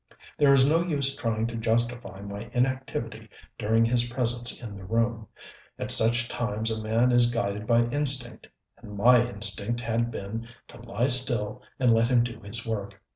There is no use trying to justify my inactivity during his presence in the room. At such times a man is guided by instinct and my instinct had been to lie still and let him do his work.